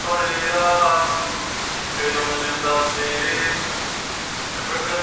En la Edad Media, cumplió una doble función: religiosa y defensiva.